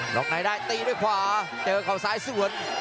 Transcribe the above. ล็อกในได้ตีด้วยขวาเจอเขาซ้ายสวน